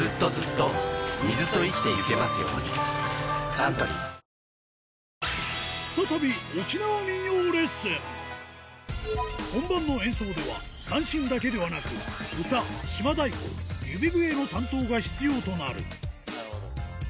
サントリー再び沖縄民謡レッスン本番の演奏では三線だけではなく歌島太鼓指笛の担当が必要となるなるほど。